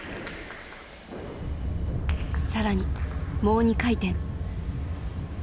更にもう２回転。